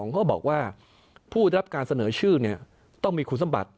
เขาบอกว่าผู้ได้รับการเสนอชื่อต้องมีคุณสมบัติ